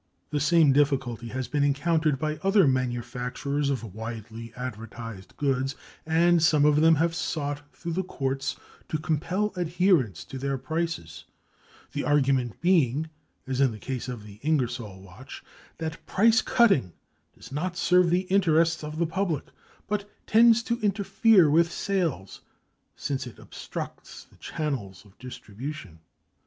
The same difficulty has been encountered by other manufacturers of widely advertised goods, and some of them have sought through the courts to compel adherence to their prices, the argument being, as in the case of the Ingersoll watch, that price cutting does not serve the interests of the public but tends to interfere with sales since it obstructs the channels of distribution.